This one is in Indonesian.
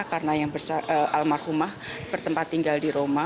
karena yang bersama almarhumah bertempat tinggal di roma